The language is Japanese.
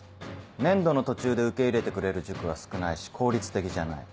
年度の途中で受け入れてくれる塾は少ないし効率的じゃない。